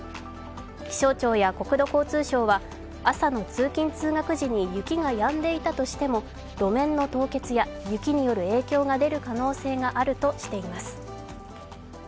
気象庁や国土交通省は朝の出勤通学時に雪がやんでいたとしても路面の凍結や雪による影響が出る可能性があるとしています。